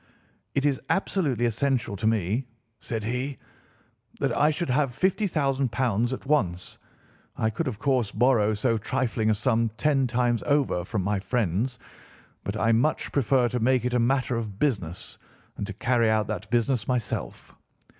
"'It is absolutely essential to me,' said he, 'that I should have £ 50,000 at once. I could, of course, borrow so trifling a sum ten times over from my friends, but I much prefer to make it a matter of business and to carry out that business myself.